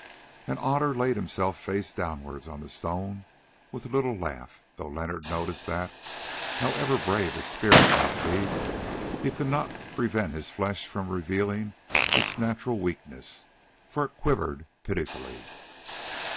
And Otter laid himself face downwards on the stone with a little laugh, though Leonard noticed that, however brave his spirit might be, he could not prevent his flesh from revealing its natural weakness, for it quivered pitifully.